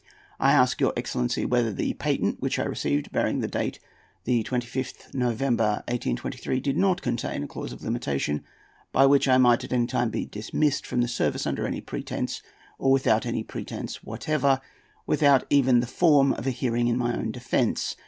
I ask your excellency whether the patent which I received, bearing date the 25th November, 1823, did not contain a clause of limitation by which I might at any time be dismissed from the service under any pretence or without any pretence whatever—without even the form of a hearing in my own defence.